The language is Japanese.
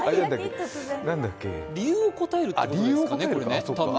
理由を答えるということですかね。